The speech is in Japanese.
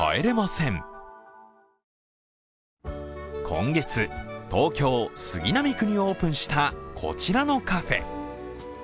今月、東京・杉並区にオープンした、こちらのカフェ。